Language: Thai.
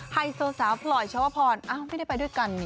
ให้โสสาปล่อยชวพพรอ้าวไม่ได้ไปด้วยกันนิ